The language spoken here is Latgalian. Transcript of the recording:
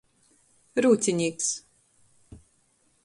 Rūcinīks.